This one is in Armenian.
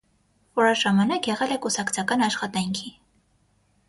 Որոշ ժամանակ եղել է կուսակցական աշխատանքի։